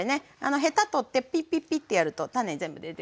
ヘタ取ってピッピッピッてやると種全部出てくるので。